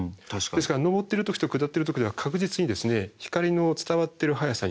ですから上ってる時と下ってる時では確実に光の伝わってる速さに違いが出るはずだと。